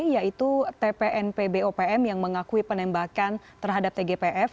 yaitu tpnpbopm yang mengakui penembakan terhadap tgpf